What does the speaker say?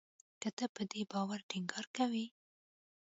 که ته په دې باور ټینګار کوې